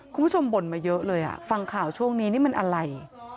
บ่นมาเยอะเลยฟังข่าวช่วงนี้นี่มันอะไร